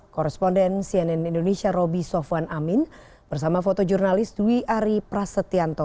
koresponden cnn indonesia roby sofwan amin bersama fotojurnalis dwi ari prasetyanto